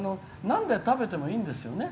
なんで食べてもいいですよね。